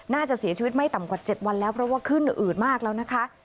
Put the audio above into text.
น่าจะเสียชีวิตไม่ต่ำกว่า๗วันแล้วเพราะว่าขึ้นอืดมากแล้วนะคะ